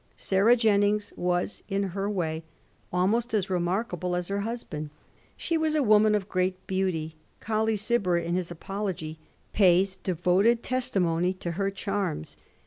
Sarah Jennings was, in her way, almost as remarkable as her husband. She was a woman of great beauty. Colley Gibber in his ' Apology ' pays devoted testi mony to her charms.